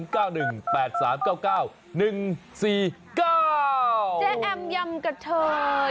เจ๊แอ้มยำเข้าเทย